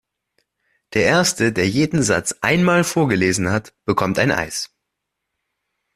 Der erste, der jeden Satz einmal vorgelesen hat, bekommt ein Eis!